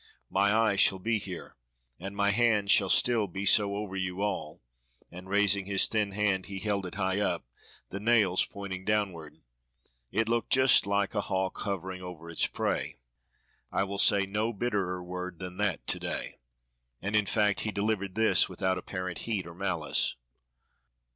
My eye shall be here, and my hand shall still be so over you all," and raising his thin hand, he held it high up, the nails pointing downward. It looked just like a hawk hovering over its prey. "I will say no bitterer word than that to day;" and in fact he delivered this without apparent heat or malice.